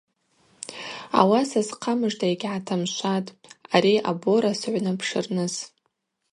Ауаса схъамыжда йгьгӏатамшватӏ, ари абора сыгӏвнапшырныс.